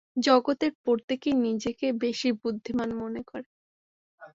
জগতের প্রত্যেকেই নিজেকে বেশী বুদ্ধিমান মনে করে।